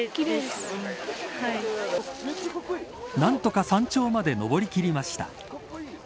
何とか山頂まで登り切りました。